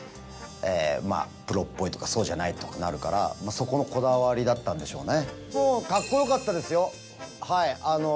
からそこのこだわりだったんでしょうね。